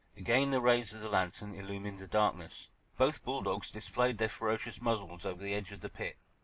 Again the rays of the lantern illumined the darkness. Both bull dogs displayed their ferocious muzzles over the edge of the pit.